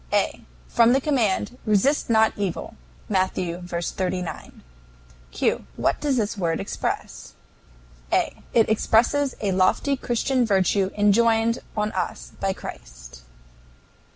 A. From the command, "Resist not evil." (M. v. 39.) Q. What does this word express? A. It expresses a lofty Christian virtue enjoined on us by Christ.